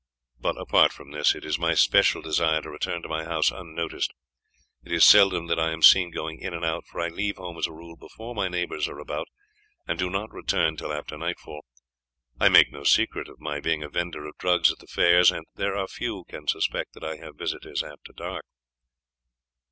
But, apart from this, it is my special desire to return to my house unnoticed. It is seldom that I am seen going in and out, for I leave home as a rule before my neighbours are about, and do not return till after nightfall. I make no secret of my being a vendor of drugs at the fairs, and there are few can suspect that I have visitors after dark."